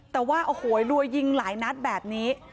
แต่ว่าโอ้โหรัวยิงหลายนัดแบบนี้